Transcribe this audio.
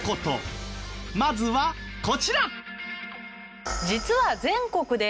まずはこちら！